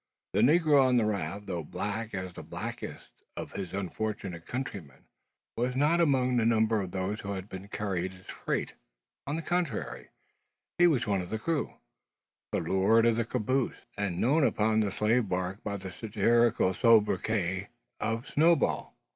The negro upon the raft, though black as the blackest of his unfortunate countrymen, was not among the number of those who had been carried as freight. On the contrary, he was one of the crew, the lord of the caboose, and known upon the slave bark by the satirical soubriquet of "Snowball."